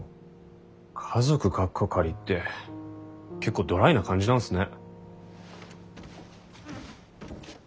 家族カッコ仮って結構ドライな感じなんっすね。